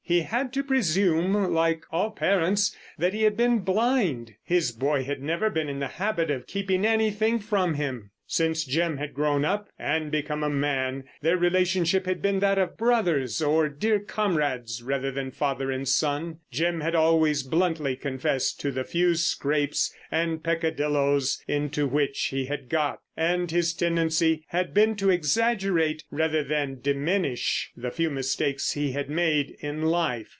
He had to presume, like all parents, that he had been blind. His boy had never been in the habit of keeping anything from him. Since Jim had grown up and become a man, their relationship had been that of brothers or dear comrades rather than father and son. Jim had always bluntly confessed to the few scrapes and peccadilloes into which he had got, and his tendency had been to exaggerate rather than diminish the few mistakes he had made in life.